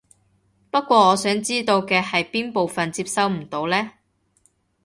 不過我想知道嘅係邊部分接收唔到呢？